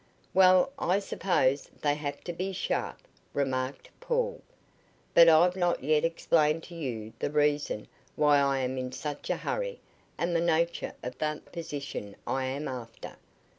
"Well, I suppose they have to be sharp," remarked Paul. "But I've not yet explained to you the reason why I am in such a hurry and the nature of the position I am after.